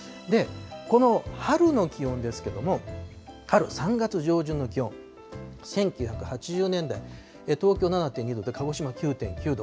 この春の気温ですけども、春、３月上旬の気温、１９８０年代、東京７．２度で鹿児島９．９度。